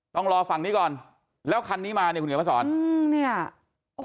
ต้องรอฝั่งนี้ก่อนแล้วคันนี้มาเนี่ยคุณเหนียวมาสอน